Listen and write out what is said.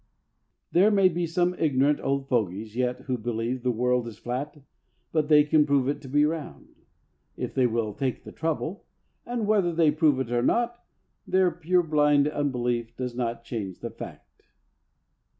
There may be some ignorant old fogies yet who believe the world is flat, but they can prove it to be round, if they will take the trouble, and whether they prove it or not, their purblind unbelief does not change the fact.